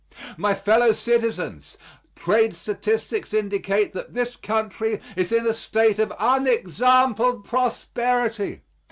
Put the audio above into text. My fellow citizens, trade statistics indicate that this country is in a state of unexampled prosperity.